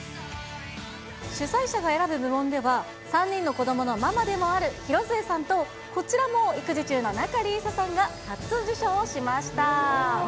主催者が選ぶ部門では、３人の子どものママでもある広末さんと、こちらも育児中の仲里依紗さんが初受賞しました。